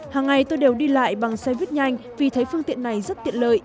hàng ngày tôi đều đi lại bằng xe buýt nhanh vì thấy phương tiện này rất tiện lợi